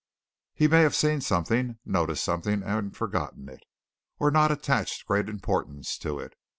"He may have seen something, noticed something, and forgotten it, or not attached great importance to it.